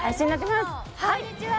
こんにちは！